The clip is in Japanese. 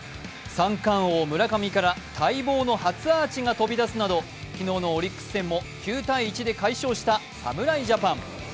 ３冠王・村上から待望の初アーチが飛び出すなど昨日のオリックス戦も９−１で快勝した侍ジャパン。